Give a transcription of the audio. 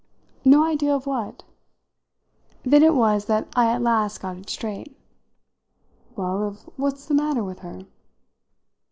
"No idea of what?" Then it was that I at last got it straight. "Well, of what's the matter with her."